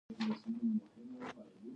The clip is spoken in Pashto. د پراخېدونکې ټکنالوژۍ پر وړاندې ودرېدل.